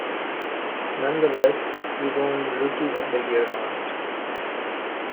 Nonetheless, he won Rookie of the Year honors.